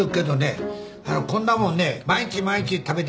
こんなもんね毎日毎日食べてたらね